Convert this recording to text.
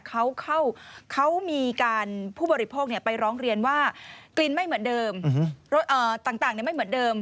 เขามีการผู้บริโภคไปร้องเรียนว่ากลิ่นไม่เหมือนเดิมต่างไม่เหมือนเดิม